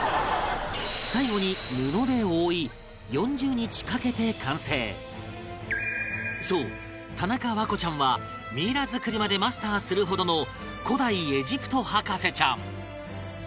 最後に、布で覆い４０日かけて完成そう、田中環子ちゃんはミイラ作りまでマスターするほどの古代エジプト博士ちゃん